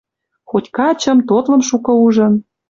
Хоть качым, тотлым шукы ужын